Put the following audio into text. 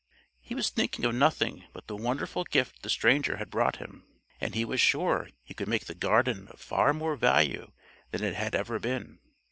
He was thinking of nothing but the wonderful gift the stranger had brought him, and he was sure he could make the garden of far more value than it had ever been.